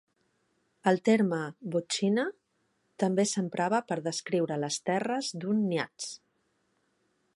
El terme "votchina" també s'emprava per descriure les terres d'un kniaz.